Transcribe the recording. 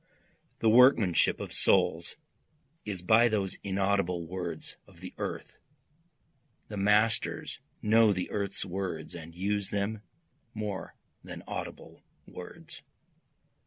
The workmanship of souls is by those inaudible words of the earth, The masters know the earth's words and use them more than audible words.